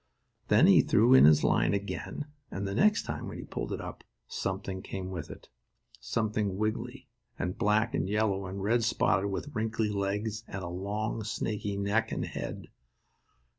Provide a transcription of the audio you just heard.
Then he threw in his line again, and the next time when he pulled it up something came with it. Something wiggily, and black and yellow and red spotted with wrinkly legs and a long snaky neck and head.